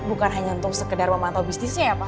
bukan hanya untuk sekedar memantau bisnisnya ya pak